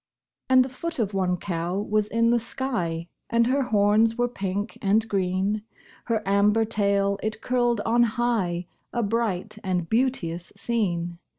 And the foot of one cow was in the sky, And her horns were pink and green; Her amber tail it curled on high A bright and beauteous scene.